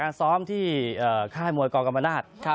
ซ้อมที่ค่ายมวยกรกรรมนาศ